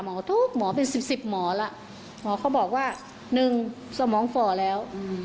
หมอทุกหมอเป็น๑๐หมอล่ะหมอเขาบอกว่าหนึ่งสมองฝ่อแล้ว